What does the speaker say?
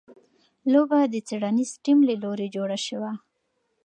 لوبه د څېړنیز ټیم له لوري جوړه شوې.